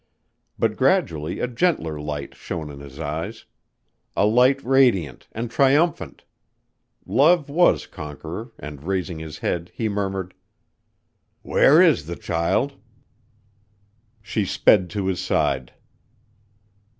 But gradually a gentler light shone in his eyes, a light radiant, and triumphant; love was conqueror and raising his head he murmured: "Where is the child?" She sped to his side.